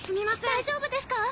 大丈夫ですか。